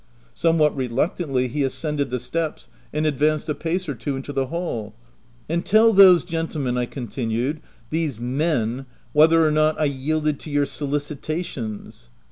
Somewhat reluctantly he ascended the steps and advanced a pace or two into the hall. * And tell those gentlemen/ ■ I continued —" these men whether or not I yielded to your solicitations."